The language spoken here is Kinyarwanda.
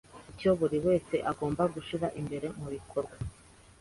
icyo buri wese egombe gushyire imbere mu bikorwe